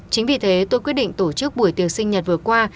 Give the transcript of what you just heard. chính vì thế tôi quyết định tổ chức buổi tiệc sinh nhật vừa qua